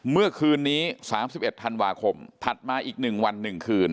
เมื่อคืนนี้๓๑ธันวาคมถัดมาอีก๑วัน๑คืน